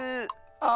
あ！